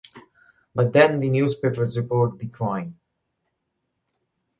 But then the newspapers report the crime.